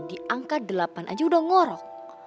di angka delapan aja udah ngorok